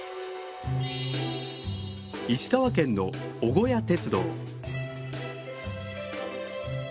石川県の尾小屋鉄道。